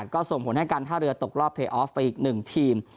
ก็ส่งผลให้การท่าเรือตกรอบเพย์ออฟไปอีก๑ทีม